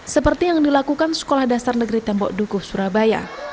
seperti yang dilakukan sekolah dasar negeri tembok dukuh surabaya